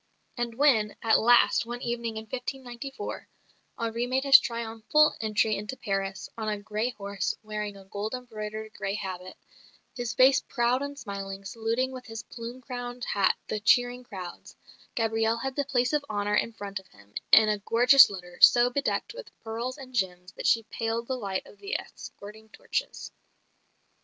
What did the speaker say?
And when, at last, one evening in 1594, Henri made his triumphal entry into Paris, on a grey horse, wearing a gold embroidered grey habit, his face proud and smiling, saluting with his plume crowned hat the cheering crowds, Gabrielle had the place of honour in front of him, "in a gorgeous litter, so bedecked with pearls and gems that she paled the light of the escorting torches."